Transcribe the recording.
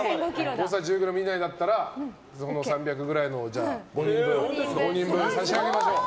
誤差１０ｇ以内だったら３００くらいのをじゃあ、５人分差し上げましょう。